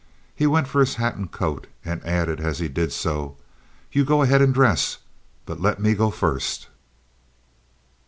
He went for his hat and coat and added, as he did so, "You go ahead and dress; but let me go first."